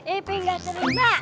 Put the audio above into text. iping gak terluka